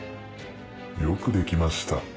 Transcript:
よくできました。